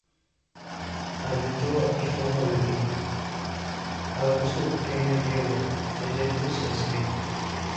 Hábito y forma de vida: arbusto pequeño o hierba, erecto, sin espinas.